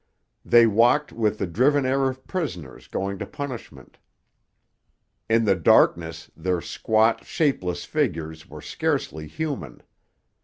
They walked with the driven air of prisoners going to punishment. In the darkness their squat, shapeless figures were scarcely human.